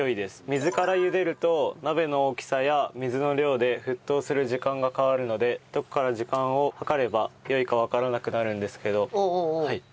水から茹でると鍋の大きさや水の量で沸騰する時間が変わるのでどこから時間を計れば良いかわからなくなるんですけど。